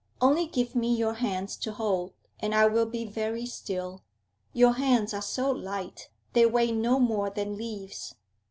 Only give me your hands to hold, and I will be very still. Your hands are so light; they weigh no more than leaves.